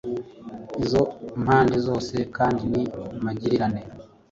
Izo mpande zose kandi ni magirirane.